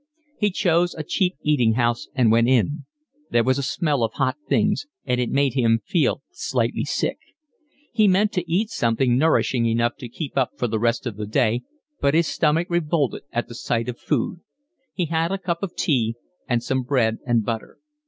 He chose a cheap eating house and went in; there was a smell of hot things, and it made him feel slightly sick: he meant to eat something nourishing enough to keep up for the rest of the day, but his stomach revolted at the sight of food. He had a cup of tea and some bread and butter.